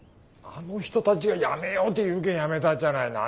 あの人たちがやめようって言うけんやめたっちゃない！